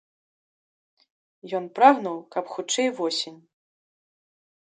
Ён прагнуў, каб хутчэй восень.